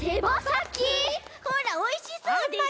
ほらおいしそうでしょ？